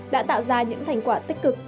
đã tạo ra những thành quả tích cực